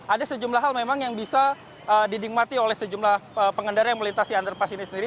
ada sejumlah hal memang yang bisa dinikmati oleh sejumlah pengendara yang melintasi underpass ini sendiri